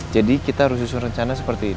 jadi kita harus justru rencana seperti ini